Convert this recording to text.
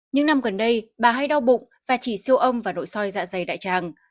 những năm gần đây bà hay đau bụng và chỉ siêu âm vào nội soi dạ dày đại tràng